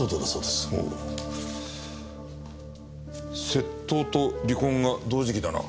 窃盗と離婚が同時期だな。